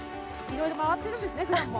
いろいろ回ってるんですね